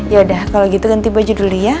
yaudah kalau gitu ganti baju dulu ya